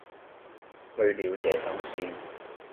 去了這心思，